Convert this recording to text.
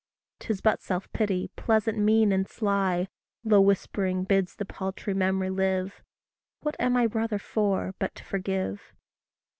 'Tis but self pity, pleasant, mean, and sly, Low whispering bids the paltry memory live: What am I brother for, but to forgive!